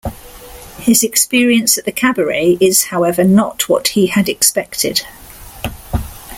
His experience at the cabaret is however, not what he had expected.